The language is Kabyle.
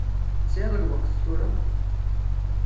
Tesɛiḍ lweqt tura?